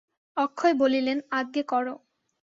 অক্ষয় বলিলেন, আজ্ঞে করো।